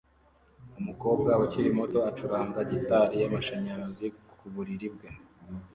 Umukobwa ukiri muto acuranga gitari y'amashanyarazi ku buriri bwe